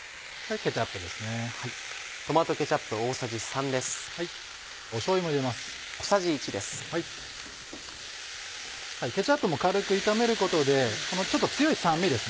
ケチャップも軽く炒めることでこの強い酸味ですね